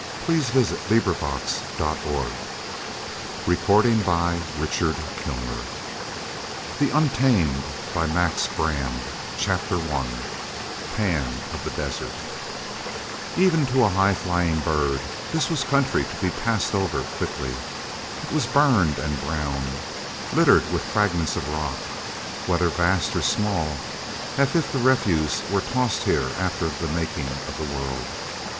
Close in! XXXVI. Fear XXXVII. Death XXXVIII. The Wild Geese THE UNTAMED CHAPTER I PAN OF THE DESERT Even to a high flying bird this was a country to be passed over quickly. It was burned and brown, littered with fragments of rock, whether vast or small, as if the refuse were tossed here after the making of the world.